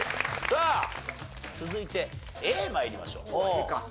さあ続いてＡ参りましょう。